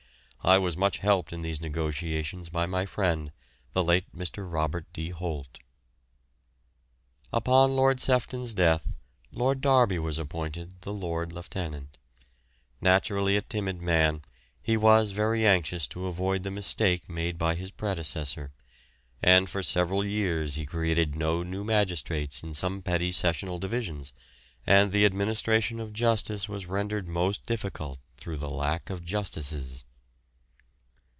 I was much helped in these negotiations by my friend, the late Mr. Robert D. Holt. Upon Lord Sefton's death Lord Derby was appointed the Lord Lieutenant. Naturally a timid man, he was very anxious to avoid the mistake made by his predecessor, and for several years he created no new magistrates in some Petty Sessional Divisions, and the administration of justice was rendered most difficult through the lack of justices.